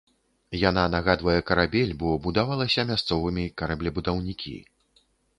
Яна нагадвае карабель, бо будавалася мясцовымі караблебудаўнікі.